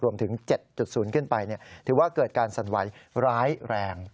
รวมถึง๗๐ขึ้นไปถือว่าเกิดการสั่นไหวร้ายแรง